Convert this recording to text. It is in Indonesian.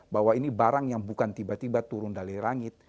bahwa ini barang yang bukan tiba tiba turun dari rangit